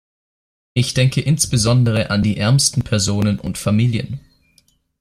Ich denke insbesondere an die ärmsten Personen und Familien.